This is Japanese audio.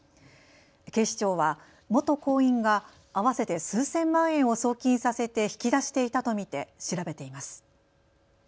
警視庁は元行員が合わせて数千万円を送金させて引き出していたと見て調べています。